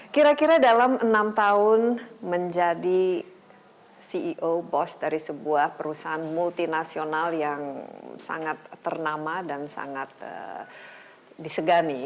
kira kira dalam enam tahun menjadi ceo bos dari sebuah perusahaan multinasional yang sangat ternama dan sangat disegani